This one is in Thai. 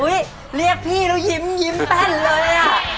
เห้ยเรียกพี่แล้วยิ้มยิ้มแป้นเลย